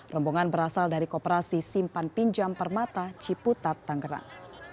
rombongan berasal dari koperasi simpan pinjam permata ciputat tangerang